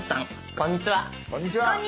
こんにちは。